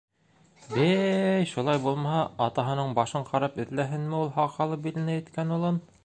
Бәй, шулай булмаһа, атаһының башын ҡарап эҙләһенме ул һаҡалы биленә еткән улын?